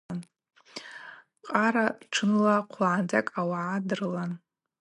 Къара тшынла хъвлагӏандзакӏ ауагӏа дрылан.